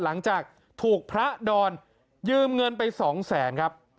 หลังจากถูกพระดอนยืมเงินไปสองแสนครับ